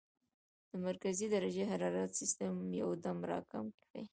د مرکزي درجه حرارت سسټم يو دم را کم کړي -